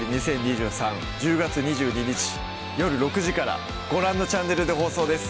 −１０月２２日よる６時からご覧のチャンネルで放送です